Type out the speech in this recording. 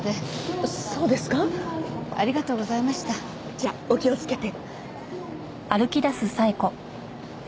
じゃあお気をつけて。